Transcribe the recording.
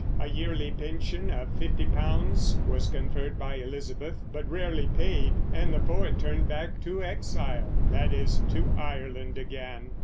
A yearly pension of fifty pounds was conferred by Elizabeth, but rarely paid, and the poet turned back to exile, that is, to Ireland again.